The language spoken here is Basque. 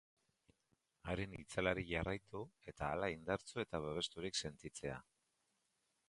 Haren itzalari jarraitu, eta hala indartsu eta babesturik sentitzea.